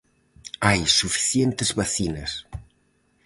Hai suficientes vacinas.